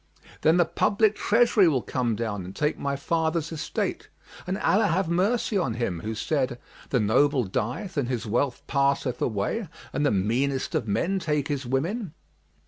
Then the public Treasury will come down and take my father's estate, and Allah have mercy on him who said, 'The noble dieth and his wealth passeth away, and the meanest of men take his women.'